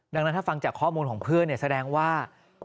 ดังนั้นถ้าฟังจากข้อมูลของเพื่อนแสดงว่า